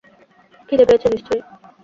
খিদে পেয়েছে নিশ্চয়ই।